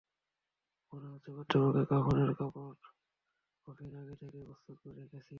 মনে হচ্ছে, কর্তৃপক্ষ কাফনের কাপড়, কফিন আগে থেকেই প্রস্তুত করে রেখেছিল।